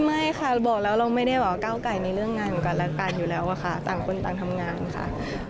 ไม่ค่ะบอกแล้วเราไม่ได้แบบว่าก้าวไก่ในเรื่องงานของกันและกันอยู่แล้วอะค่ะต่างคนต่างทำงานค่ะ